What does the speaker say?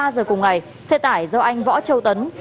một mươi ba h cùng ngày xe tải do anh võ châu tấn